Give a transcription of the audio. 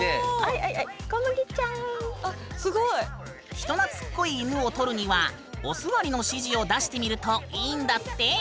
人なつっこい犬を撮るには「お座り」の指示を出してみるといいんだって！